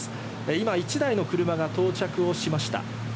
今１台の車が到着をしました。